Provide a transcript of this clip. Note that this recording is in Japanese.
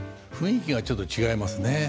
雰囲気がちょっと違いますね。